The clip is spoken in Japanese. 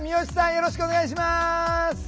よろしくお願いします。